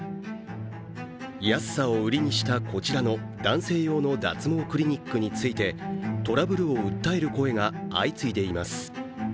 安さを売りにしたこちらの男性用の脱毛クリニックについてトラブルを訴える声が相次いでいます。